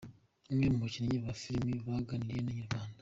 Umwe mu bakinnyi ba filime baganiriye na Inyarwanda.